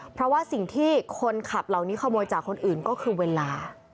เพราะว่าสิ่งที่คนขับเหล่านี้ขโมยจากคนอื่นก็คือเวลา